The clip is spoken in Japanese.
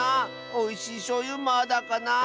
おいしいしょうゆまだかなあ。